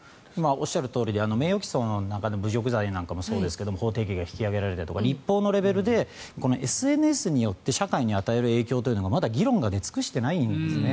おっしゃるとおりで名誉毀損の中でも侮辱罪もそうですが法定刑が引き上げられたとか立法のレベルでＳＮＳによって社会に与える影響というのがまだ議論が出尽くしていないんですね。